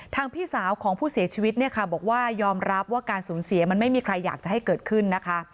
พี่สาวของผู้เสียชีวิตเนี่ยค่ะบอกว่ายอมรับว่าการสูญเสียมันไม่มีใครอยากจะให้เกิดขึ้นนะคะ